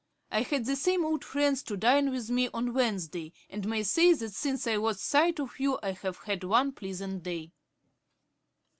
I had the same old friends to dine with me on Wednesday, and may say that since I lost sight of you I have had one pleasant day.'